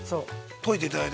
といでいただいて。